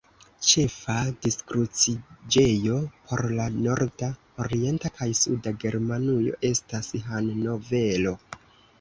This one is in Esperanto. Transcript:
Ĉefa diskruciĝejo por la norda, orienta kaj suda Germanujo estas Hannovero.